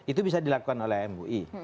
itu bisa dilakukan oleh mui